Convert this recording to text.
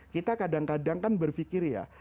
kita kadang kadang kan berpikir ya